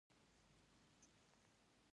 څومره بې غیرته کار دې وکړ!